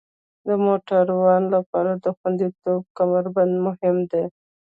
د موټروان لپاره خوندیتوب کمربند مهم دی.